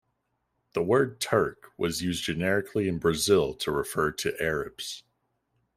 The word "Turk" was used generically in Brazil to refer to Arabs.